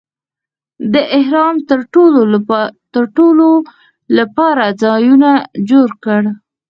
د احرام تړلو لپاره ځایونه جوړ کړي.